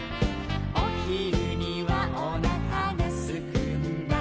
「おひるにはおなかがすくんだ」